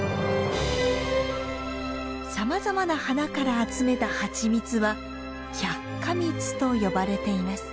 さまざまな花から集めた蜂蜜は百花蜜と呼ばれています。